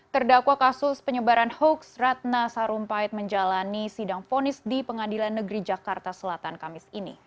terdakwa kasus penyebaran hoax ratna sarumpait menjalani sidang ponis di pengadilan negeri jakarta selatan kamis ini